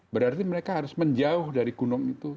berarti mereka harus menjauh dari gunung itu